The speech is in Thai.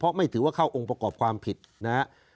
เพราะไม่ถือว่าเข้าองค์ประกอบความผิดนะครับ